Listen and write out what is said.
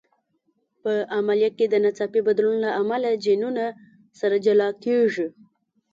په عملیه کې د ناڅاپي بدلون له امله جینونه سره جلا کېږي.